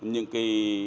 bảo lụ những cái